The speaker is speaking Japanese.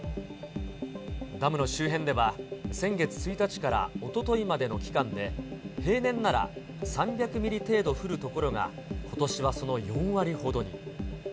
ダムの周辺では、先月１日からおとといまでの期間で、平年なら３００ミリ程度降るところが、ことしはその４割ほどに。